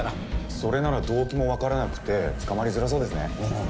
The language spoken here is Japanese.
それなら動機も分からなくて捕まりづらそうですね。